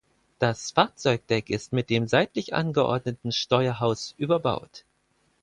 Das Fahrzeugdeck ist mit dem seitlich angeordneten Steuerhaus überbaut.